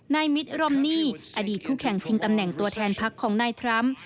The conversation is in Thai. มิตรรมนี่อดีตผู้แข่งชิงตำแหน่งตัวแทนพักของนายทรัมป์